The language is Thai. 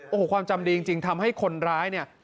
โอ้โหความจำดีจริงทำให้คนร้ายเนี่ย